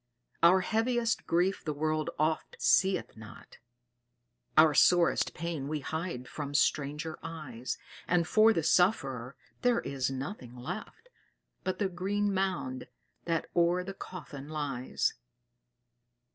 Our heaviest grief the world oft seeth not, Our sorest pain we hide from stranger eyes: And for the sufferer there is nothing left But the green mound that o'er the coffin lies."